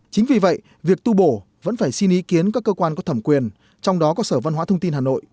chính vì vậy việc tu bổ vẫn phải xin ý kiến các cơ quan có thẩm quyền trong đó có sở văn hóa thông tin hà nội